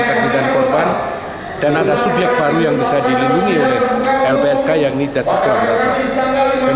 sakit dan korban dan ada subyek baru yang bisa dilindungi oleh lpsk yang ini jasus kelaminan